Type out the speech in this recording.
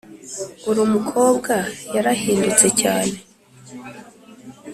uri mukobwa yarahindutse cyane